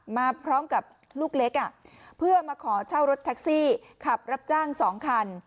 มาพร้อมกับลูกเล็กเพื่อมาขอเช่ารถแท็กซี่ขับรับจ้าง๒คัน